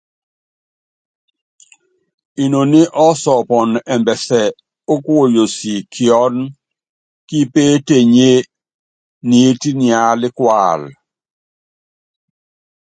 Inoní ɔsɔɔpɔn ɛmbɛsɛ o kuoyosi kiɔ́n kipeetenyé niít niálɛ́kualɛ.